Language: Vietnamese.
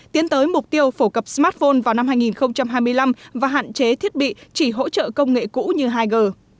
tiến tới mục tiêu phổ cập smartphone vào năm hai nghìn hai mươi năm và hạn chế thiết bị chỉ hỗ trợ công nghệ cũ như hai g